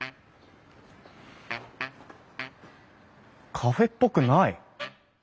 カフェっぽくない！